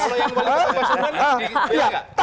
kalau yang balik ke pasuruan